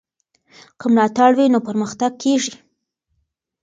که ملاتړ وي نو پرمختګ کېږي.